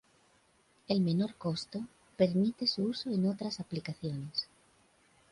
El menor costo permite su uso en otras aplicaciones.